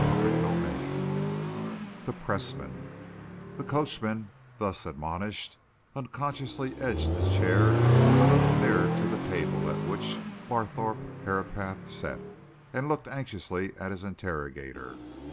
CHAPTER IV THE PRESSMAN The coachman, thus admonished, unconsciously edged his chair a little nearer to the table at which Barthorpe Herapath sat, and looked anxiously at his interrogator.